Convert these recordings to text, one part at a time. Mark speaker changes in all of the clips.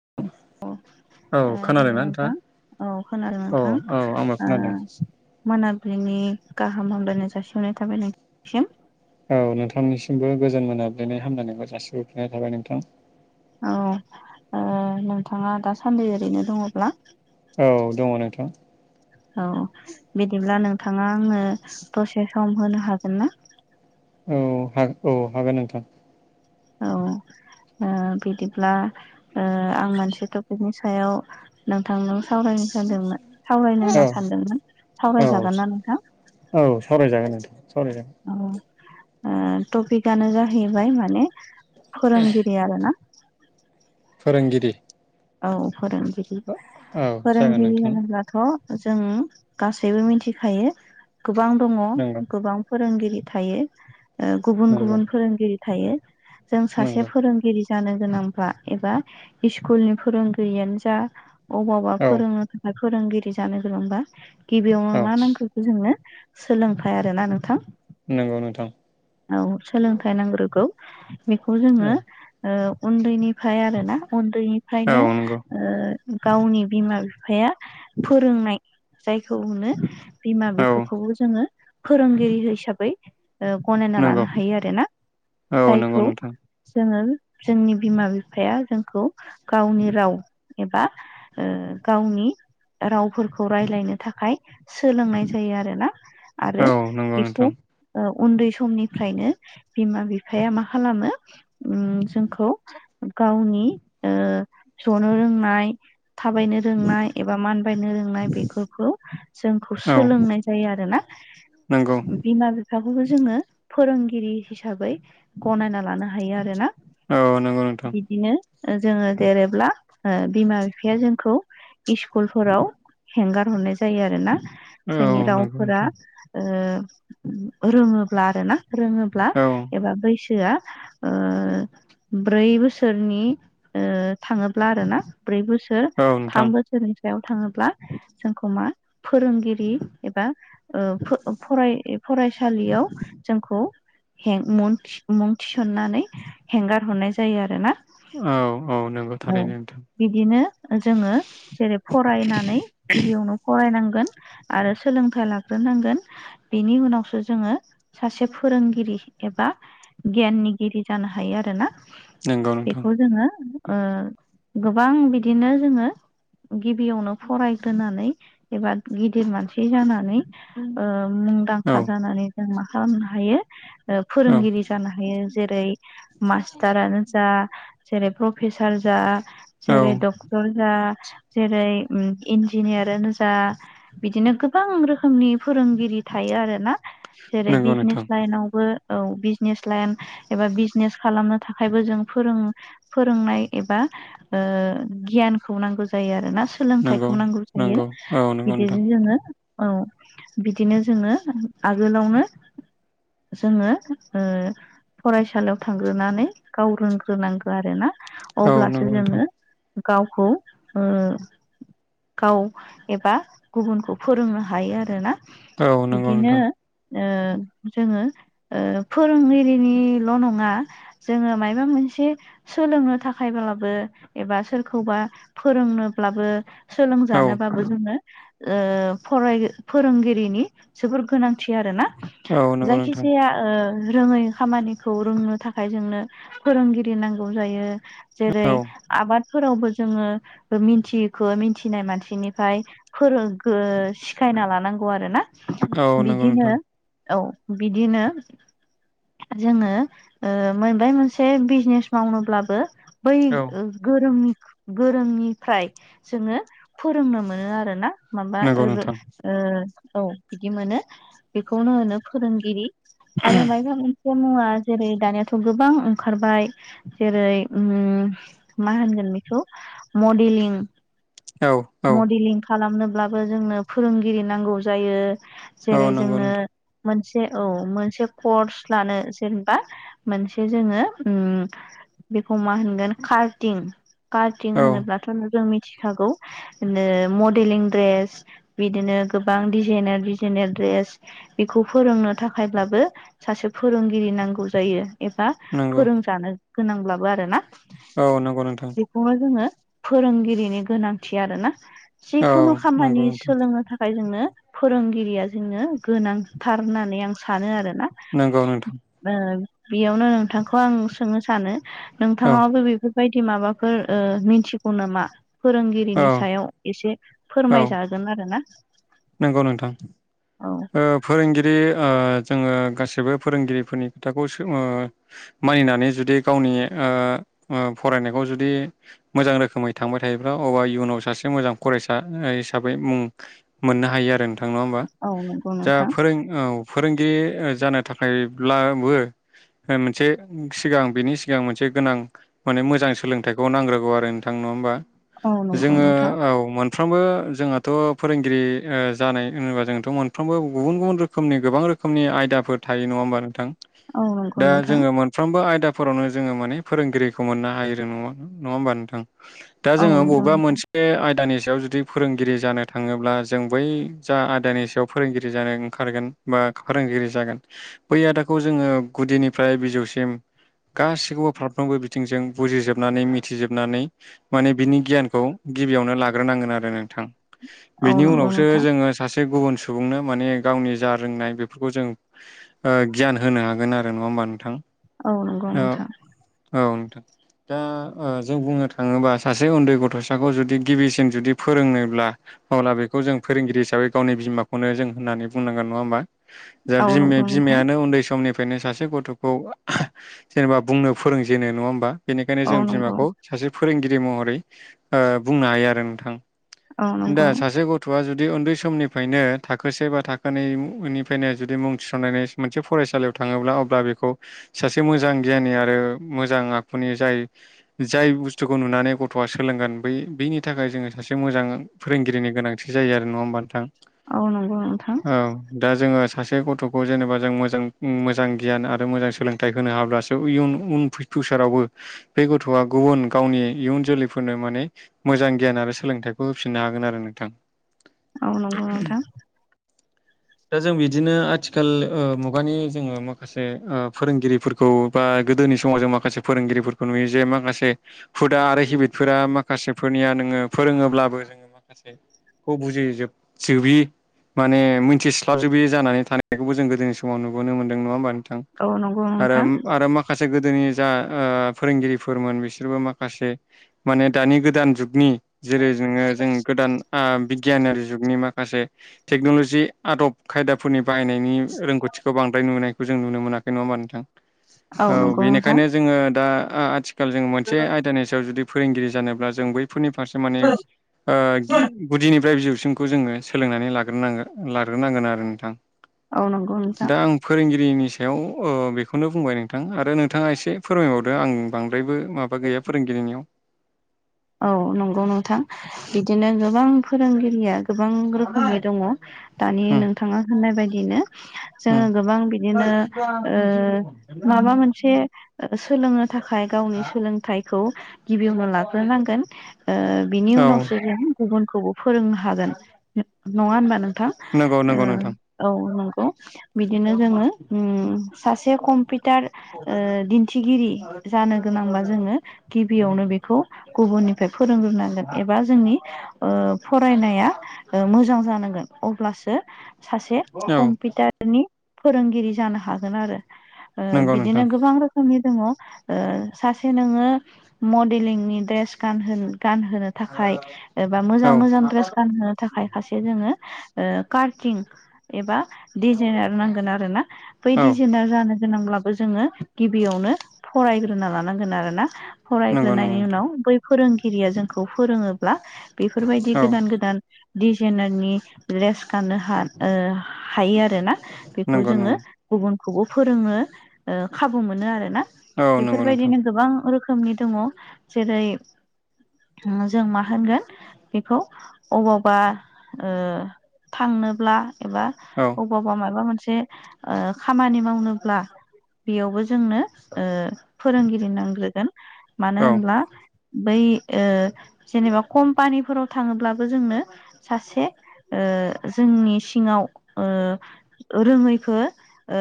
Speaker 1: [inaudible]
Speaker 2: ओ
Speaker 1: औ
Speaker 2: हेल'
Speaker 1: खोनादोंना
Speaker 2: नोंथां
Speaker 1: नोंथाङा?
Speaker 2: औ खोनादों
Speaker 1: औ
Speaker 2: नोंथां
Speaker 1: औ आंबो
Speaker 2: ओ
Speaker 1: खोनादों।
Speaker 2: मोनाबिलिनि गाहाम हामलायनाय जासिहरनाय थाबाय नोंथांनिसिम
Speaker 1: औ नोंथांनिसिमबो गोजोन मोनाब्लिनि हामलायनायखौ जासिबोफिननाय थाबाय नोंथां।
Speaker 2: औ ओ नोंथाङा दासान्दि ओरैनो दङब्ला।
Speaker 1: औ दङ नोंथां।
Speaker 2: औ बिदिब्ला नोंथाङा आंनो दसे सम होनो हागोन ना?
Speaker 1: औ हागो औ हागोन नोंथां।
Speaker 2: औ ओ बिदिब्ला ओ आं मोनसे टपिकनि सायाव नोंथांजों सावरायनो सानदोंमोन सावरायनो होनना सानदोंमोन
Speaker 1: औ
Speaker 2: सावरायजागोन ना नोंथां?
Speaker 1: औ सावरायजागोन नोंथां सावरायजागोन।
Speaker 2: औ ओ टपिकआनो जाहैबाय माने फोरोंगिरि आरोना।
Speaker 1: फोरोंगिरि।
Speaker 2: औ फोरोंगिरि
Speaker 1: औ जागोन
Speaker 2: फोरोंगिरि
Speaker 1: नोंथां
Speaker 2: होनोब्ला। थ' जों गासैबो मिथिखायो गोबां दङ
Speaker 1: नंगौ
Speaker 2: गोबां। फोरोंगिरि थायो ओ गुबुन
Speaker 1: नंगौ
Speaker 2: गुबुन फोरोंगिरि थायो। जों सासे
Speaker 1: नंगौ
Speaker 2: फोरोंगिरि जानो गोनांबा एबा इसकुलनि। फोरोंगिरियानो जा अबाव अबा
Speaker 1: औ
Speaker 2: फोरोंनो थाखाय फोरोंगिरि जानो गोनांबा‌ गिबियावनो
Speaker 1: औ
Speaker 2: मा नांग्रोगौ जोंनो सोलोंथाय आरोना नोंथां।
Speaker 1: नंगौ नोंथां।
Speaker 2: औ सोलोंथाइ नांग्रोगौ बेखौ
Speaker 1: औ
Speaker 2: जोंङो ओ उन्दैनिफ्राय आरो ना
Speaker 1: औ
Speaker 2: उन्दैनिफ्रायनो।
Speaker 1: नंगौ
Speaker 2: ओ गावनि बिमा-बिफाया फोरोंनाय। जायखौ अनो
Speaker 1: औ
Speaker 2: बिमा-बिफाखौबो जोङो फोरोंगिरि हिसाबै। ओ गनायना
Speaker 1: नंगौ
Speaker 2: लानो हायो आरो ना
Speaker 1: औ नंगौ
Speaker 2: जायखौ
Speaker 1: नोंथां
Speaker 2: जोंङो जोंनि बिमा बिफाया जोंखौ गावनि राव एबा ओ गावनि रावफोरखौ राय्लायनो थाखाय। सोलोंनाय जायो आरोना आरो
Speaker 1: औ नंगौ नोंथां
Speaker 2: बेखौ ओ उन्दै समनिफ्रायनो बिमा बिफाया मा खालामो उम जोंखौ गावनि ओ जनो रोंनाय थाबायनो रोंनाय एबा मानबायनो रोंनाय बेफोरखौ जोंखौ
Speaker 1: औ
Speaker 2: सोलोंनाय जायो आरो ना?
Speaker 1: नंगौ।
Speaker 2: फाखौबो जोंङो फोरोंगिरि हिसाबै गनायना लानो हायो आरो ना
Speaker 1: औ नंगौ नोंथां
Speaker 2: बिदिनो जोंङो देरोब्ला बिमा बिफाया जोंखौ इस्कुलफोराव हेंगार हरनाय जायो आरोना
Speaker 1: औ
Speaker 2: जोंनि
Speaker 1: नंगौ
Speaker 2: रावफोरा
Speaker 1: नोंथां
Speaker 2: ओ रोङोब्ला आरो ना? रोङोब्ला
Speaker 1: औ
Speaker 2: एबा बैसोआ ओ ब्रै बोसोरनि ओ थाङोब्ला आरो ना ब्रै बोसोर
Speaker 1: औ नोंथां
Speaker 2: थाम बोसोरनि थाङोब्ला जोंखौ मा फोरोंगिरि एबा ओ फराय फरायसालियाव जोंखौ मुं थिसननानै हेंगार हरनाय जायो आरो ना?
Speaker 1: औ औ नंगौ थारैनो नोंथां।
Speaker 2: बिदिनो जोंङो जेरै फरायनानै गिबियावनो फरायनांगोन। आरो सोलोंथाइ लाग्रोनांगोन। बिनि उनावसो जोंङो सासे फोरोंगिरि एबा गियाननिगिरि जानो हायो आरो ना
Speaker 1: नंगौ नोंथां
Speaker 2: बेखौ जोंङो ओ गोबां बिदिनो जोंङो गिबियावनो फरायग्रोनानै एबा गिदिर मानसि जानानै ओ
Speaker 1: औ
Speaker 2: मुंदांखा जानानै जों मा खालामनो हायो ओ
Speaker 1: औ
Speaker 2: फोरोंगिरि जानो हायो जेरै मास्टारानो जा जेरै प्रफेसार जा
Speaker 1: औ
Speaker 2: जेरै डक टर जा जेरै इन्जिनियारानो जा बिदिनो गोबां रोखोमनि फोरोंगिरि थायो आरो ना जेरै
Speaker 1: नंगौ
Speaker 2: बिजनेस
Speaker 1: नोंथां
Speaker 2: लाइनावबो औ बिजनेस लाइन एबा बिजनेस खालामनो थाखायबो जों फोरों फोरोंनाय एबा ओ गियानखौ नांगौ जायो आरोना।
Speaker 1: नंगौ
Speaker 2: सोलोंथाइखौ नांगौ जायो
Speaker 1: नंगौ औ नंगौ नोंथां
Speaker 2: बिदिजों जोंङो औ बिदिनो जोंङो आगोलावनो जोंङो ओ फरायसालियाव थांग्रोनानै गाव रोंग्रोनांगौ आरो। आरोना
Speaker 1: औ
Speaker 2: अब्लासो
Speaker 1: नंगौ नोंथां
Speaker 2: जोंङो गावखौ ओ गाव एबा गुबुनखौ फोरोंनो हायो आरोना
Speaker 1: औ नंगौ
Speaker 2: बिदिनो
Speaker 1: नोंथां
Speaker 2: ओ जोंङो ओ फोरोंगिरिनिल' नङा जोंङो माबा मोनसे सोलोंनो थाखायब्लाबो एबा सोरखौबा फोरोंनोब्लाबो
Speaker 1: औ
Speaker 2: सोलोंजानोबाबो जोंङो ओ फराय फोरोंगिरिनि जोबोर गोनांथि आरोना
Speaker 1: औ नंगौ
Speaker 2: जायखि
Speaker 1: नोंथां
Speaker 2: जाया ओ रोङै खामानिखौ रोंनो थाखाय जोंनो फोरोंगिरि नांगौ जायो। जेरै
Speaker 1: औ
Speaker 2: आबादफोरावबो जोङो मिथिखो मिथिनाय मानसिनिफाय फोरो गो सिखायना लानांगौ आरो ना
Speaker 1: औ नंगौ
Speaker 2: बिदिनो
Speaker 1: नोंथां
Speaker 2: औ बिदिनो जोङो ओ मोनबाय मोनसे बिजनेस मावनोब्लाबो बै
Speaker 1: औ
Speaker 2: गोरोंनि गोरोंनिफ्राय जोंङो फोरोंनो मोनो आरो ना माबा
Speaker 1: नंगौ
Speaker 2: ओ
Speaker 1: नोंथां
Speaker 2: औ बिदि मोनो बेखौनो होनो फोरोंगिरि आरो मायबा मोन से मुवा जेरै दानियाथ' गोबां ओंखारबाय। जेरै ओम मा होनगोन बेखौ मडेलिं
Speaker 1: औ औ
Speaker 2: मडेलिं खालामनोब्लाबो जोंनो फोरोंगिरि नांगौ जायो जेरै
Speaker 1: औ नंगौ
Speaker 2: जोंनो
Speaker 1: नोंथां
Speaker 2: मोनसे औ मोनसे कर्स लानो जेनबा मोनसे जोङो ओम बेखौ मा होनगोन कार्टिं कार्टिं
Speaker 1: औ
Speaker 2: होनोब्लाथ' जों मिथिखागौ नो मडेलिं दड्रेस बिदिनो गोबां डिजाइनार डिजाइनार दड्रेस बेखौ फोरोंनो थाखायब्लाबो सासे फोरोंगिरि नांगौ जायो एबा
Speaker 1: नंगौ
Speaker 2: फोरोंजानो गोनांब्लाबो आरो ना
Speaker 1: औ नोंगौ नोंथां
Speaker 2: [unintelligible] जोङो फोरोंगिरिनि गोनांथि आरोना
Speaker 1: औ
Speaker 2: जिखुनु
Speaker 1: नंगौ
Speaker 2: खामानि
Speaker 1: नोंथां
Speaker 2: सोलोंनो थाखाय जोंनो फोरोंगिरिया जोंनो गोनांथार होननानै आं सानो आरोना
Speaker 1: नोंगौ नोंथां
Speaker 2: ओ बियावनो नोंथांखौ आं सोंनो सानो
Speaker 1: औ
Speaker 2: नोंथाङाबो बेफोर बायदि माबाफोर ओ मिथिगौ नामा
Speaker 1: औ
Speaker 2: फोरोंगिरिनि सायाव एसे फोरमायजा [unintelligible]
Speaker 1: नोंगौ नोंथां
Speaker 2: औ
Speaker 1: ओ फोरोंगिरि आ जोङो गासिबो फोरोंगिरिफोरनि खोथाखौ सो मा मानिनानै जुदि गावनि आ ओ फरायनायखौ जुदि मोजां रोखोमै थांबाय थायोब्ला अबा इयुनाव सासे मोजां खरायसा अइ हिसाबै मुं मोननो हायो आरो नोंथां नङा होमबा
Speaker 2: औ नंगौ
Speaker 1: जा
Speaker 2: नोंथां
Speaker 1: फोरों औ फोरोंगिरि ओ जानो थाखायब्लाबो मोनसे सिगां बिनि सिगां मोनसे गोनां माने मोजां सोलोंथाइखौ नांग्रोगौ आरो नोंथां नङा होमबा
Speaker 2: औ नंगौ
Speaker 1: जोङो
Speaker 2: नोंथां
Speaker 1: औ मोन फ्रामबो जोंहाथ' फोरोंगिरि ओ जानाय होनोबा जों थ' मोनफ्रामबो गुबुन गुबुन रोखोमनि गोबां रोखोमनि आयदाफोर थायो नङा होमबा नोंथां
Speaker 2: औ नंगौ
Speaker 1: दा
Speaker 2: नोंथां
Speaker 1: जोङो मोन फ्रामबो आयदाफोरावनो जोङो माने फोरोंगिरिखौ मोनना हायो [unintelligible] नङा होमबा नोंथां दा
Speaker 2: औ
Speaker 1: जोङो
Speaker 2: नंगौ
Speaker 1: बबेबा मोनसे बे आयदानि सायाव जुदि फोरोंगिरि जानो थाङोब्ला जों बै जा आयदानि बियाव फोरोंगिरि जानो ओंखारगोन बा फोरोंगिरि जागोन बै आदाखौ जोङो गुदिनिफ्राय बिजौसिम गासिखौबो फारफ्रोमबो बिथिंजों बुजिजोबनानै मिथिजोबनानै माने बिनि गियानखौ गिबियावनो लाग्रोनांगोन आरो नोंथां बिनि उनावसो
Speaker 2: नोंथां
Speaker 1: जोङो सासे गुबुन सुबुंनो माने गावनि जा रोंनाय बेफोरखौ जों ओ गियान होनो हागोन आरो नङा होमबा नोंथां
Speaker 2: औ नंगौ
Speaker 1: औ
Speaker 2: नोंथां
Speaker 1: औ नोंथां दा आ जों बुंनो थाङोबा सासे उन्दै गथ'साखौ जुदि गिबिसिन जुदि फोरोङोब्ला अब्ला बेखौ जों फोरोंगिरि हिसाबै गावनि बिमाखौ खौनो जों होननानै बुंनांगोन नङा होमबा। जाहा
Speaker 2: औ नंगौ
Speaker 1: बिमा-
Speaker 2: नोंथां औ नंगौ नोंथां
Speaker 1: बिमायानो उन्दै समनिफ्राय बेखायनो सासे गथ'खौ जेनेबा बुंनो फोरोंजेनो नङा होमबा बेनिखायनो
Speaker 2: औ
Speaker 1: जों
Speaker 2: नंगौ
Speaker 1: बिमाखौ सासे फोरोंगिरि महरै बुंनो हायो आरो नोंथां।
Speaker 2: औ
Speaker 1: दा
Speaker 2: नंगौ
Speaker 1: सासे गथ'खौ गाथ'आ जुदि उन्दै समनिफ्रायनो थाखोसे बा थाखोनैनिफ्रायनो जुदि मुं थिसननायनि मोनसे फरायसालियाव थाङोब्ला अब्ला बेखौ सासे मोजां गियााननि आरो मोजां आखुनि जाय जाय बुस्थुखौ नुनानै गथ'आ सोलोंगोन बै बिनि थाखाय जोङो सासे मोजां फोरोंगिरिनि गोनांथि जायो नङा होमबा नोंथां
Speaker 2: औ नोंग' उम
Speaker 1: औ दा जोङो सासे गथ'खौ जेनेबा जों मोजां मोजां गियान आरो मोजां सोलोंथाइ होनो हाब्लासो इयुन उन फिउसारावबो बे गथ'आ गुबुन गावनि इयुन जोलैफोरनो माने मोजां गियान आरो सोलोंथाइखौ होफिननो हागोन आरो नोंथां।
Speaker 2: औ नंगौ नोंथां।
Speaker 1: दा जों बिदिनो आथिखाल ओ मुगानि जोङो माखासे ओ फोरोंगिरिफोर खौ बा गोदोनि समाव जों माखासे फोरोंगिरिफोरखौ नुयो जे माखासे हुदा आरो हेबिटफोरा माखासेफोरनिया नोङो फोरोङोब्लाबो जोङो माखासे बुजिजोबि माने मिथिस्लाबजोबै जानानै थानायखौबो जों गोदोनि समाव नुबोनो मोनदों नङा होमबा नोंथां।
Speaker 2: औ नंगौ नोंथां
Speaker 1: आरो- आरो माखा खासे गोदोनि जा फोरोंगिरिफोरमोन बिसोरबो माखासे माने दानि गोदान जुगनि जेरै नोङो जों गोदान बिगियानारि जुगनि माखासे टेक्न'लजि आदब खायदाफोरनि बाहायनायनि रोंगौथिखौ बांद्राय नुनाय खौ जोङो नुनो मोनाखै नङा होमबा नोंथां। औ
Speaker 2: नंगौ नोंथां
Speaker 1: बेनिखायनो जोङो दा आथिखाल आथिखाल जों मोनसे आयदानि सायाव जुदि फोरोंगिरि जानोब्ला जों बैफोरनि फारसे माने ओ गुदिनिफ्राय बिजौसिमखौ जोङो सोलोंनानै लाग्रांगोन लाग्रोनांगोन आरो नोंथां।
Speaker 2: औ नंगौ नोंथां।
Speaker 1: दा आं फोरोंगिरिनि सायाव ओ बेखौनो बुंबाय नोंथां आरो नोंथाङा एसे फोरमायबावदों आं बांद्रायबो माबा गैया। फोरोंगिरिनियाव
Speaker 2: औ नंगौ नोंथां बिदिनो गोबां फोरोंगिरिया गोबां रोखोमनि दङ। दानि
Speaker 1: उम
Speaker 2: नोंथाङा होननाय बायदिनो जोङो
Speaker 1: उम
Speaker 2: गोबां बिदिनो ओ माबा मोनसे सोलोंनो थाखाय गावनि सोलोंथाइखौ गिबियावनो ला ग्रो नांगोन ओ बिनि
Speaker 1: औ
Speaker 2: उनावसो जों गुबुनखौबो फोरोंनो हागोन नङा होनबा नोंथां।
Speaker 1: नंगौ नंगौ नोंथां
Speaker 2: ओ औ नंगौ बिदिनो जोङो ओह सासे कम्पिउटार ओ दिन्थिगिरि जानो गोनांब्ला जोङो गिबियावनो बेखौ गुबुननिफ्राय फोरोंग्रोनांगोन एबा जोंनि ओ फरायनाया ओ मोजां जानांगोन अब्लासो सासे
Speaker 1: औ
Speaker 2: कम्पिउटारनि फोरोंगिरि जानो हागोनआरो। ओ
Speaker 1: नंगौ
Speaker 2: बिदिनो
Speaker 1: नोंथां
Speaker 2: गोबां रोखोम नि दङ ओ सासे नोङो मडेलिंनि द्रेस गानहो गानहोनो थाखाय एबा मोजां
Speaker 1: औ
Speaker 2: मोजां द्रेस गानहोनो थाखाय खासे जोङो ओ कारटिं एबा डिजाइनार नांगोन आरो ना। बै
Speaker 1: औ
Speaker 2: दिजेनार जानो गोनांब्लाबो जोङो गिबियावनो फरायग्रोना लानांगोन आरोना।
Speaker 1: नंगौ नंगौ
Speaker 2: फरायग्रोनायनि
Speaker 1: नोंथां
Speaker 2: उनाव बै फोरोंगिरिया जोंखौ फोरोङोब्ला बेफोरबायदि
Speaker 1: औ
Speaker 2: गोदान गोदान दिडजाइनारनि द्रेस गाननो हा-हायो आरो ना। बेखौ
Speaker 1: नंगौ
Speaker 2: जोङो
Speaker 1: नंगौ
Speaker 2: गुबुनखौबो फोरोङो खाबु मोनो आरोना
Speaker 1: औ नंगौ नोंथां
Speaker 2: बेफोरबायदिनो गोबां रोखोमनि दङ जेरै- जों मा होनगोन बेखौ अबावबा ओह थांनोब्ला एबा
Speaker 1: औ।
Speaker 2: अबावबा माबा मोनसे ओह खामानि मावनोब्ला बेयावबो जोंनो ओह फोरोंगिरि नांग्रोगोन मानो
Speaker 1: औ
Speaker 2: होनब्ला बै ओह जेनेबा कम्पानिफोराव थाङोब्लाबो जोंनो सासे ओ जोंनि सिङाव ओ रोङैखौ ओ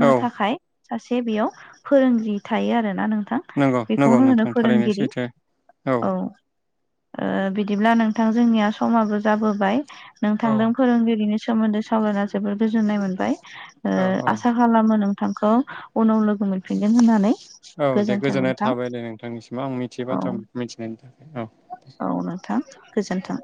Speaker 1: औ
Speaker 2: थाखाय सासे बेयाव फोरोंगिरि थायो आरोना नोंथां।
Speaker 1: नंगौ नंगौ
Speaker 2: बेखौनो होनो
Speaker 1: नोंथां थारैनो
Speaker 2: फोरोंगिरि।
Speaker 1: सैथो
Speaker 2: औ। ओ बिदिब्ला नोंथां जोंनिया समाबो जाबोबाय
Speaker 1: औ
Speaker 2: नोंथांदों फोरोंगिरिनि सोमोन्दै सावरायना जोबोर गोजोननाय मोनबाय ओ
Speaker 1: औ औ
Speaker 2: आसा खालामो नोंथांखौ उनाव लोगो मोनफिनगोन होननानै।
Speaker 1: औ दे
Speaker 2: गोजोन्थों
Speaker 1: गोजोननाय
Speaker 2: नोंथां
Speaker 1: थाबाय दे नोंथांनिसिमाव आं मिथियो
Speaker 2: औ
Speaker 1: बाथ्रा मिथिनायनि थाखाय औ।
Speaker 2: औ नोंथां गोजोनथों।